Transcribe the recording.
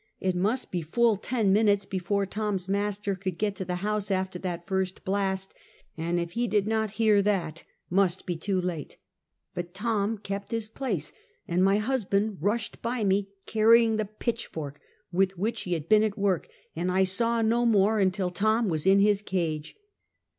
It must be full ten minutes before Tom's master could get to the house after that first blast, and if he did not hear that, must be too late; but Tom kept his place and my husband rushed by me, carrying the pitchfork with which he had been at work, and I saw no more until Tom was in his cage.